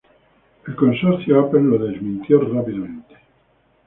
El Apple consorcio desmintió ahora mismo.